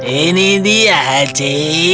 ini dia hachi